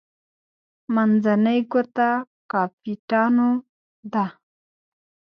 منځنۍ ګوته کاپیټانو ده.